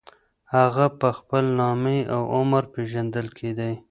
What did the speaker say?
هغه په خپل نامې او عمر پېژندل کېدی.